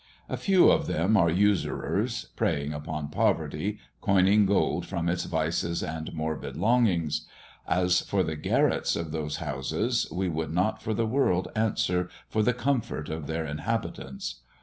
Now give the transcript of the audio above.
A few of them are usurers, preying [Illustration: THE GIN PALACE. p. 267.] upon poverty, coining gold from its vices and morbid longings. As for the garrets of those houses, we would not for the world answer for the comfort of their inhabitants.